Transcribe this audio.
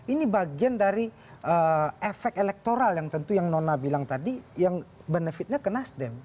ini bagian dari efek elektoral yang tentu yang nona bilang tadi yang benefitnya ke nasdem